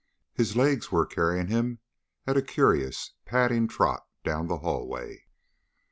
His legs were carrying him at a curious, padding trot down the hallway.